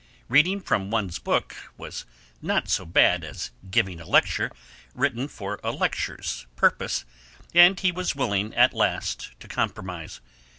Reading from one's book was not so bad as giving a lecture written for a lecture's purpose, and he was willing at last to compromise.